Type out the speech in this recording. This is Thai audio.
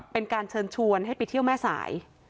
เป็นการเชิญชวนให้ไปเที่ยวแม่สาย